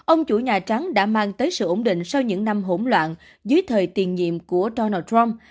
ông chủ nhà trắng đã mang tới sự ổn định sau những năm hỗn loạn dưới thời tiền nhiệm của donald trump